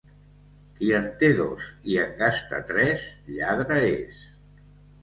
Qui en té dos i en gasta tres, lladre és.